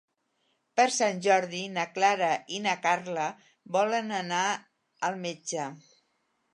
Per Sant Jordi na Clara i na Carla volen anar al metge.